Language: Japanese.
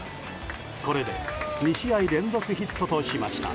これで２試合連続ヒットとしました。